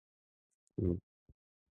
キウイ